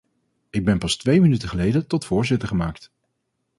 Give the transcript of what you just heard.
Ik ben pas twee minuten geleden tot voorzitter gemaakt.